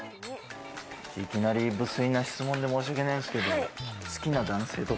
いきなり無粋な質問で申しわけないんですけど。